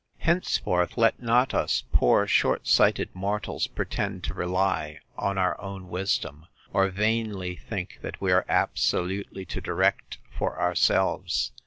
Henceforth let not us poor short sighted mortals pretend to rely on our own wisdom; or vainly think, that we are absolutely to direct for ourselves.